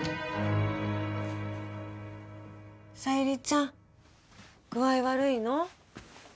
さゆりちゃん、具合悪いの？